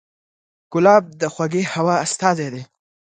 ګلاب د خوږې هوا استازی دی.